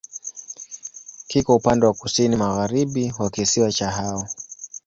Kiko upande wa kusini-magharibi wa kisiwa cha Hao.